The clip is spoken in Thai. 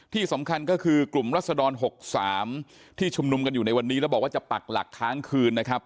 ที่สำคัญก็คือกลุ่มรัศดร๖๓ที่ชุมนุมกันอยู่ในวันนี้แล้วบอกว่าจะปักหลักค้างคืนนะครับ